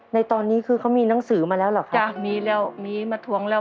ในตอนนี้คือเขามีหนังสือมาแล้วเหรอจ้ะมีแล้วมีมาทวงแล้ว